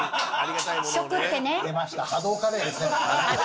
出ました、波動カレーですね